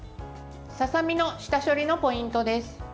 ささみの下処理のポイントです。